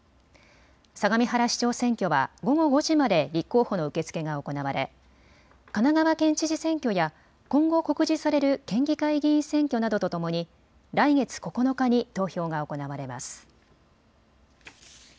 相模原市長選挙は午後５時まで立候補の受け付けが行われ神奈川県知事選挙や今後、告示される県議会議員選挙などとともに来月９日に投票が行われます。